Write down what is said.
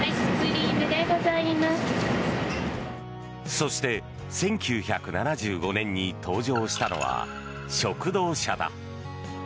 そして１９７５年に登場したのは食堂車だ。